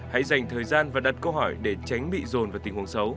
hãy dừng lại vì nó có thể là như vậy